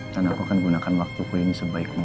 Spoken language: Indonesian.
dan aku akan gunakan waktu ini sebaik mungkin